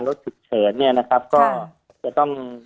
และสุขเฉินนี่นะครับก็ต้อง